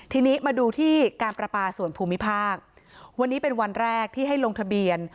ทีนี้มาดูที่การประปาส่วนภูมิภาควันนี้เป็นวันแรกที่ให้ลงทะเบียน